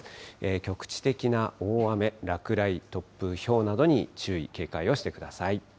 局地的な大雨、落雷、突風、ひょうなどに注意、警戒をしてください。